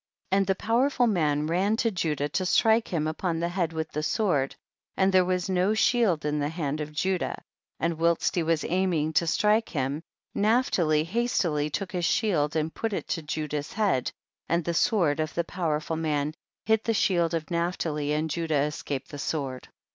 62. And the powerful man ran to Judah to strike him upon the head with the sword, and there was no shield in the hand of Judah; and whilst he loas aiming to strike him, Naphtali hastily took his shield and put it to Judah's head, and the sword of the powerful man hit the shield of Naphtali and Judah escap ed the sword.